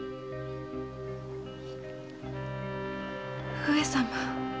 上様。